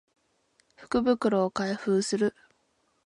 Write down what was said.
福袋を開封する